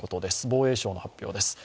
防衛省の発表です。